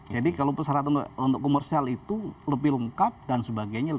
jadi kalau pesawat untuk komersial itu lebih lengkap dan sebagainya